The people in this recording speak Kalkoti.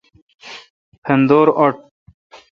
پھندور اٹ۔